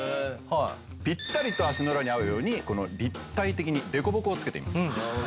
ピッタリと足の裏に合うように立体的に凸凹をつけています。